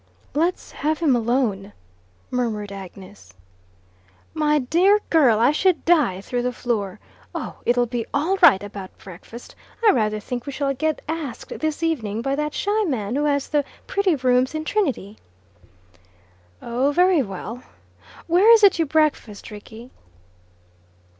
"Let's have him alone," murmured Agnes. "My dear girl, I should die through the floor! Oh, it'll be all right about breakfast. I rather think we shall get asked this evening by that shy man who has the pretty rooms in Trinity." "Oh, very well. Where is it you breakfast, Rickie?"